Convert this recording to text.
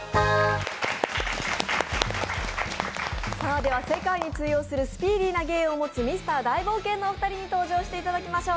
では世界に通用するスピーディーな芸を持つミスター大冒険のお二人に登場していただきましょう。